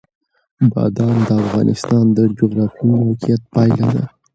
بادام د افغانستان د جغرافیایي موقیعت پایله ده.